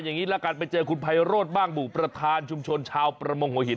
อย่างนี้ละกันไปเจอคุณไพโรธบ้างหมู่ประธานชุมชนชาวประมงหัวหิน